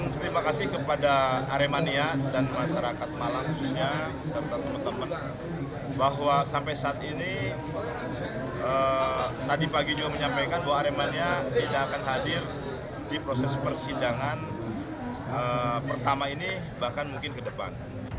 terima kasih kepada aremania dan masyarakat malang khususnya serta teman teman bahwa sampai saat ini tadi pagi juga menyampaikan bahwa aremania tidak akan hadir di proses persidangan pertama ini bahkan mungkin ke depan